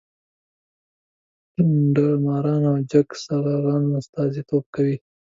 د داړه مارانو او جنګ سالارانو استازي توب کوي.